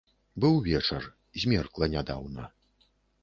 Быў вечар, змеркла нядаўна.